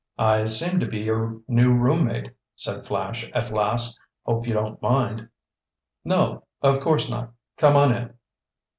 "I seem to be your new roommate," said Flash at last. "Hope you don't mind." "No, of course not. Come on in."